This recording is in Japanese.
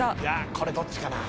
これどっちかなぁ。